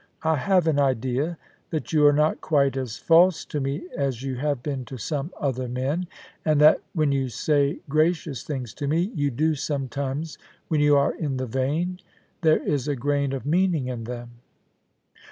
I have an idea that you are not quite as false to me as you have been to some othei* men, and that when you say gracious things to me — you do sometimes when you are in the vein — there is a grain of meaning in them.'